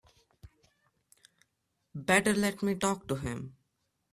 Better let me talk to him.